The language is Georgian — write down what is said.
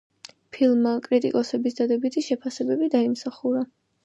ფილმმა კრიტიკოსების დადებითი შეფასებები დაიმსახურა.